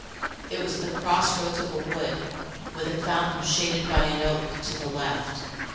It was the cross roads of a wood, with a fountain shaded by an oak to the left.